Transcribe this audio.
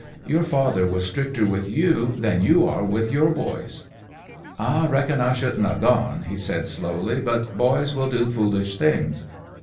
Your father was stricter with you than you are with your boys." "I reckon I shouldn't 'a gone," he said slowly, "but boys will do foolish things.